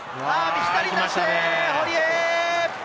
左に出して、堀江！